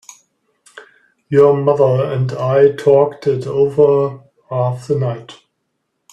Your mother and I talked it over half the night.